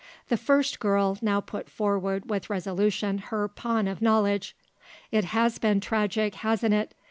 The first girl now put forward with resolution her pawn of knowledge. "It has been tragic, hasn't it.